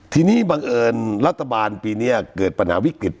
ทีนี้บังเอิญรัฐบาลปีนี้เกิดปัญหาวิกฤต